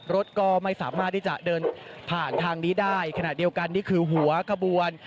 รถก็ไม่สามารถที่จะเดินผ่านทางนี้ได้ขณะเดียวกันนี่คือหัวขบวน